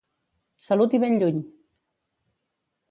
Salut i ben lluny!